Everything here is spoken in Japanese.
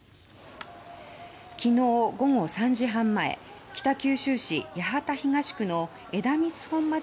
昨日午後３時半前北九州市八幡東区の枝光本町